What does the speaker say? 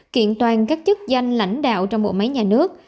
kiện toàn các chức danh lãnh đạo trong bộ máy nhà nước